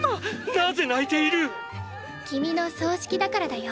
なぜ泣いている⁉君の葬式だからだよ。